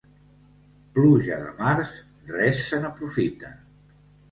Pluja de març, res se n'aprofita.